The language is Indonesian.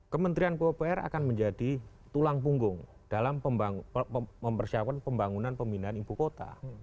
kementerian pupr akan menjadi tulang punggung dalam mempersiapkan pembangunan pemindahan ibu kota